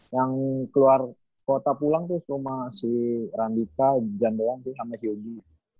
yang keluar kota pulang tuh sama si randika jan belang sama si yogi